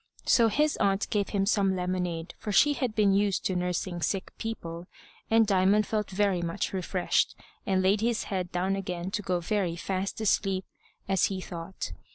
So his aunt gave him some lemonade, for she had been used to nursing sick people, and Diamond felt very much refreshed, and laid his head down again to go very fast asleep, as he thought.